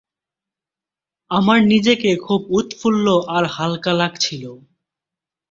আমার নিজেকে খুব উৎফুল্ল আর হালকা লাগছিল।